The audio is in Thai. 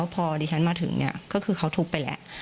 พอดิฉันมาถึงเนี่ยก็คือเขาทุบไปแล้ว